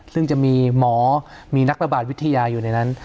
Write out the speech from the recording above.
ซึ่งจะมีหมอมีนักระบาดวิทยาอยู่ในนั้น